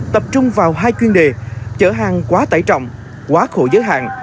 tập trung vào hai chuyên đề chở hàng quá tải trọng quá khổ giới hạn